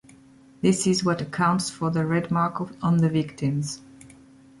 This is what accounts for the red mark on the victims.